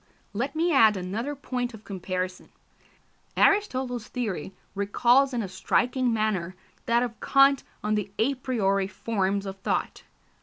Let me add another point of comparison. Aristotle's theory recalls in a striking manner that of Kant on the a priori forms of thought.